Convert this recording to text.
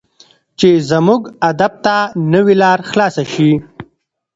چې زموږ ادب ته نوې لار خلاصه شي.